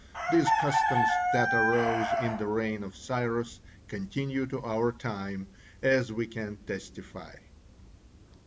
These customs that arose in the reign of Cyrus continue to our time, as we can testify.